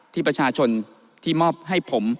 ที่ประชาชนที่มอบให้ผม